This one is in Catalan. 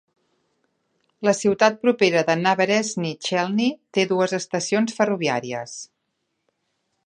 La ciutat propera de Naberezhnye Chelny té dues estacions ferroviàries.